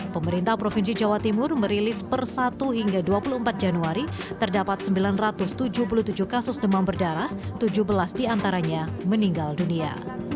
pemerintah provinsi jawa timur merilis per satu hingga dua puluh empat januari terdapat sembilan ratus tujuh puluh tujuh kasus demam berdarah tujuh belas diantaranya meninggal dunia